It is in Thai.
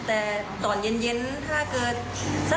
แต่ตอนเย็นถ้าเกิดสัก๓โมงกลึง